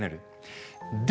で！